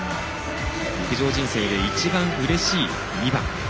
陸上人生で一番うれしい２番。